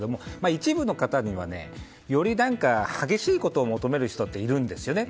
一部の方には、より激しいことを求める人がいるんですよね。